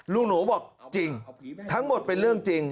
หนูบอกจริงทั้งหมดเป็นเรื่องจริง